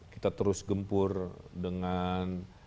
kita terus gempur dengan